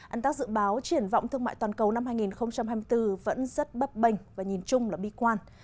an tác dự báo triển vọng thương mại toàn cầu năm hai nghìn hai mươi bốn vẫn rất bấp bênh và nhìn chung là bi quan